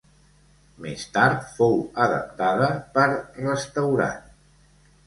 Més tard fou adaptada per restaurant.